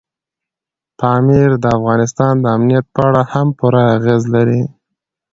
پامیر د افغانستان د امنیت په اړه هم پوره اغېز لري.